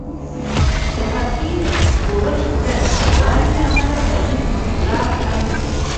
د کافي ورښت له نشتوالي امله کرنیز محصولات کم دي.